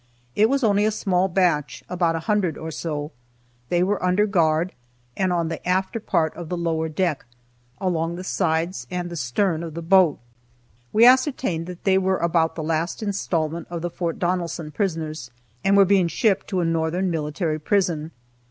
It was only a small batch, about a hundred or so. They were under guard, and on the after part of the lower deck, along the sides and the stern of the boat. We ascertained that they were about the last installment of the Fort Donelson prisoners, and were being shipped to a northern military prison.